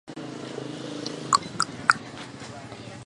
这个方法广泛用于甾类化学中。